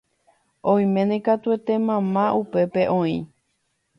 oiméne katuete mamá upépe oĩ